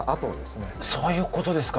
そういうことですか。